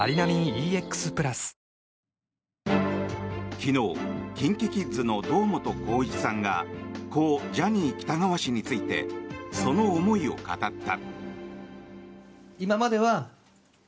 昨日、ＫｉｎＫｉＫｉｄｓの堂本光一さんが故・ジャニー喜多川氏についてその思いを語った。